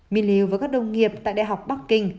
mình liều với các đồng nghiệp tại đại học bắc kinh